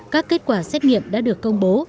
các kết quả xét nghiệm đã được công bố